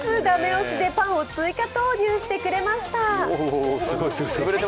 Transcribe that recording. ダメ押しでパンを追加投入してくれました。